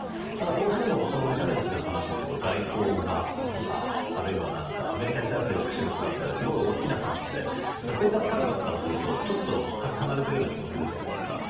どうしてもミサイルについての話というと外交がとか、あるいはアメリカに対する抑止力がみたいなすごい大きな話で生活感覚からすると、ちょっとかけ離れているような気もするじゃないですか。